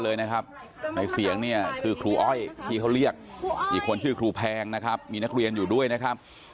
เล่ายังไม่เสียิงเนี่ยคลุอ้อยที่เอาเรียกคีย์เปลี่ยนอยู่ด้วยนะครับ